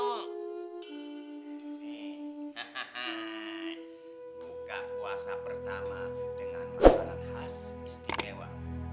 hahaha buka puasa pertama dengan makanan khas istimewa